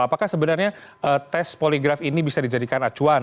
apakah sebenarnya tes poligraf ini bisa dijadikan acuan